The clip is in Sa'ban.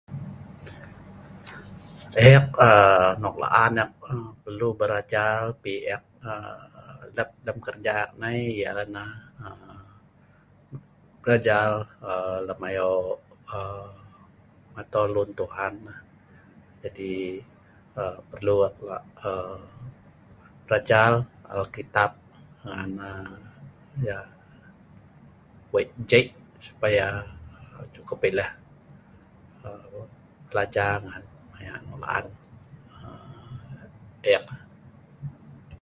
Ek ee nok la'an ek pelu belajal, pi ek eee lep keja, keja ek nai ya nah belajal lem ayo aa atol lun Tuhan, jadi pelu ek lah aa belajal Alkitab, ngan ee ya wei' jei' supaya cukup ileh belajal maya nok laan ek